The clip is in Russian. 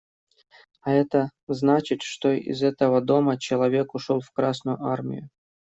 А это значит, что из этого дома человек ушел в Красную Армию.